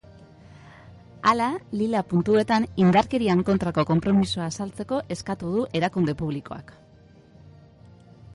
Hala, lila puntuetan indarkerian kontrako konpromisoa azaltzeko eskatu du erakunde publikoak.